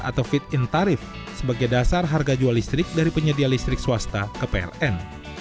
atau fit in tarif sebagai dasar harga jual listrik dari penyedia listrik swasta ke pln